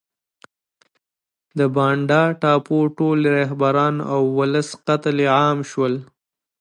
د بانډا ټاپو ټول رهبران او ولس قتل عام شول.